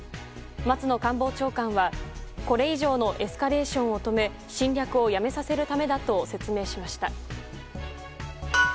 松野官房長官は、これ以上のエスカレーションを止め侵略をやめさせるためだと説明しました。